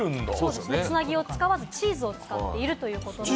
つなぎを使わずチーズを使っているということです。